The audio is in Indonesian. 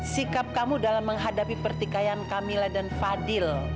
sikap kamu dalam menghadapi pertikaian kamil dan fadil